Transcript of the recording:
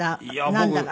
なんだか。